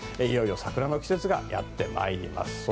いよいよ桜の季節がやってまいります。